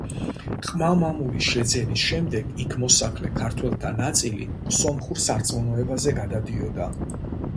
ყმა-მამულის შეძენის შემდეგ იქ მოსახლე ქართველთა ნაწილი სომხურ სარწმუნოებაზე გადადიოდა.